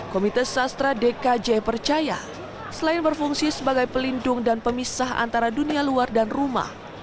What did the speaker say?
komite sastra dkj percaya selain berfungsi sebagai pelindung dan pemisah antara dunia luar dan rumah